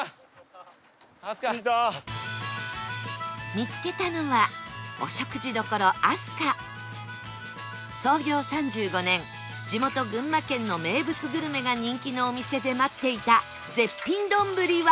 見つけたのは創業３５年地元群馬県の名物グルメが人気のお店で待っていた絶品どんぶりは